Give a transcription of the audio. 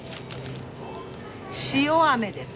塩あめです